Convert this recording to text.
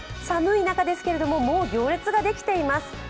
寒い中ですけれども、もう行列ができています。